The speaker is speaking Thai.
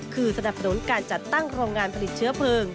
คือสนับสนุนการจัดตั้งโรงงานผลิตเชื้อเพลิง